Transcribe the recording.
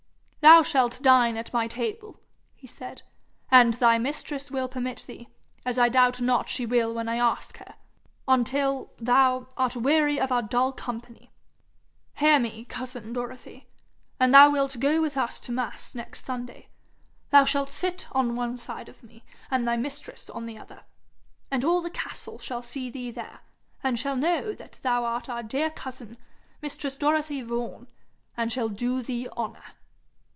'Thou shalt dine at my table,' he said, 'an' thy mistress will permit thee, as I doubt not she will when I ask her, until thou, art weary of our dull company. Hear me, cousin Dorothy: an' thou wilt go with us to mass next Sunday, thou shalt sit on one side of me and thy mistress on the other, and all the castle shall see thee there, and shall know that thou art our dear cousin, mistress Dorothy Vaughan, and shall do thee honour.'